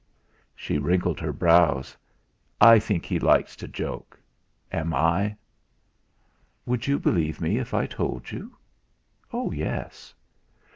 She wrinkled her brows. "I think he likes to joke. Am I?" "Would you believe me, if I told you?" "Oh, yes."